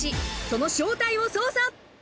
その正体を捜査。